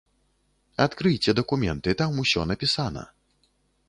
Адкрыйце дакументы, там усё напісана.